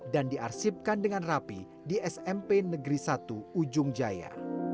dan diarsipkan dengan rapi di smp negeri satu ujung jaya